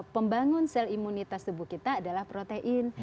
pembangun sel imunitas tubuh kita adalah protein